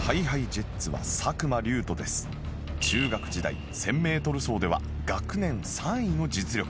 中学時代１０００メートル走では学年３位の実力。